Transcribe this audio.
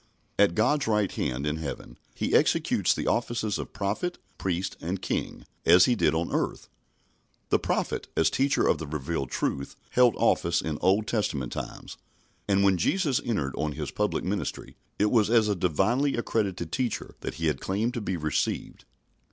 At God's right hand in heaven He executes the offices of Prophet, Priest, and King, as He did on earth. The prophet, as teacher of the revealed truth, held office in Old Testament times; and when Jesus entered on His public ministry, it was as a Divinely accredited teacher that He claimed to be received.